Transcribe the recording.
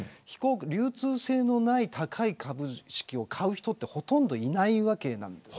流通性のない高い株式を買う人はほとんどいないわけなんです。